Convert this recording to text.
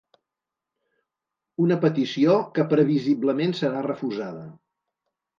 Una petició, que previsiblement, serà refusada.